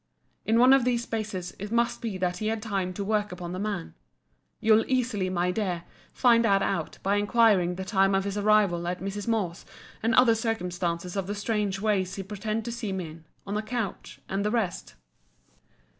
In one of these spaces it must be that he had time to work upon the man. You'll easily, my dear, find that out, by inquiring the time of his arrival at Mrs. Moore's and other circumstances of the strange way he pretended to see me in, on a couch, and the rest.